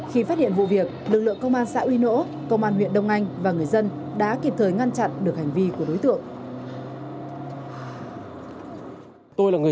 khi phát hiện vụ việc lực lượng công an xã uy nỗ huyện đông anh và người dân đã kịp thời ngăn chặn được hành vi của đối tượng